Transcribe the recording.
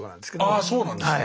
ああそうなんですか。